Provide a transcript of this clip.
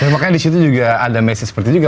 makanya disitu juga ada message seperti itu juga